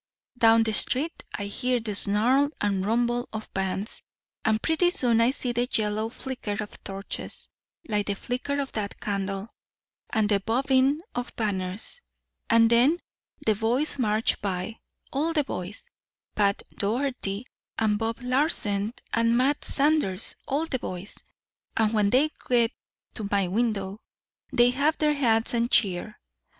Down the street I hear the snarl and rumble of bands, and pretty soon I see the yellow flicker of torches, like the flicker of that candle, and the bobbing of banners. And then the boys march by. All the boys! Pat Doherty, and Bob Larsen, and Matt Sanders all the boys! And when they get to my window they wave their hats and cheer.